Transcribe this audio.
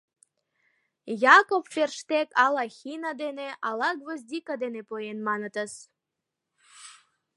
Якоб Ферштег ала хина дене, ала гвоздика дене поен, манытыс.